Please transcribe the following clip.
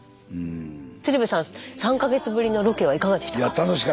鶴瓶さん３か月ぶりのロケはいかがでしたか？